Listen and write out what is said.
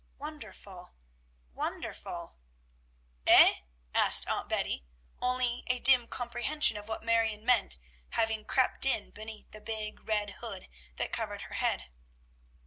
Wonderful! wonderful!" "Eh?" asked Aunt Betty, only a dim comprehension of what Marion meant having crept in beneath the big red hood that covered her head.